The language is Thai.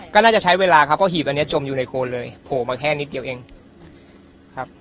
ก็น่าจะใช้เวลาครับเพราะหีบอันนี้จมอยู่ในโคนเลยโผล่มาแค่นิดเดียวเองครับ